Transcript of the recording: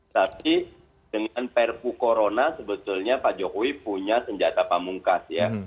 tapi dengan perpu corona sebetulnya pak jokowi punya senjata pamungkas ya